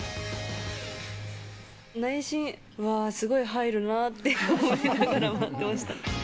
内心、わー、すごい入るなと思いながら回ってました。